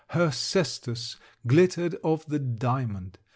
Her cestus glittered of the diamond.